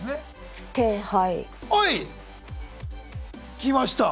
きました！